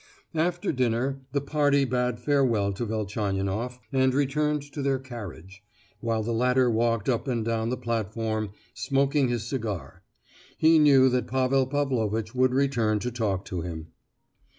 After dinner the party bade farewell to Velchaninoff, and returned to their carriage, while the latter walked up and down the platform smoking his cigar; he knew that Pavel Pavlovitch would return to talk to him.